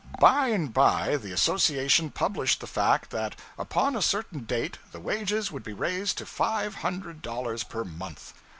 By and by the association published the fact that upon a certain date the wages would be raised to five hundred dollars per month.